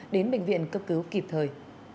đến bệnh viện cấp cứu kịp thời